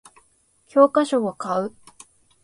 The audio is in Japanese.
教科書を買う